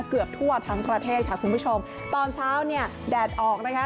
เกือบทั่วทั้งประเทศค่ะคุณผู้ชมตอนเช้าเนี่ยแดดออกนะคะ